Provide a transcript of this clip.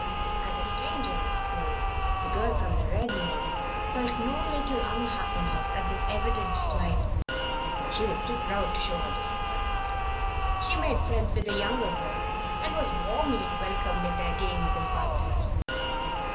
As a stranger in the school the girl from the Red Mill felt no little unhappiness at this evident slight; but she was too proud to show her disappointment. She made friends with the younger girls and was warmly welcomed in their games and pastimes.